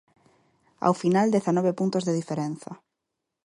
Ao final dezanove puntos de diferenza.